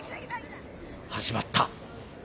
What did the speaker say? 始まった。